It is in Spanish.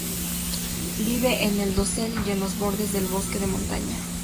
Vive en el dosel y en los bordes del bosque de montaña.